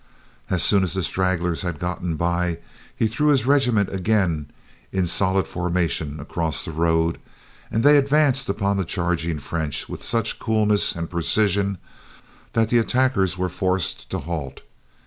As soon as the stragglers had gotten by, he threw his regiment again in solid formation across the road, and they advanced upon the charging French with such coolness and precision that the attackers were forced to halt.